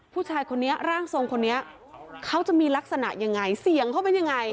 ผู้ชายคนนี้ร่างทรงคนนี้เขาจะมีลักษณะยังไงเสียงเขาเป็นยังไง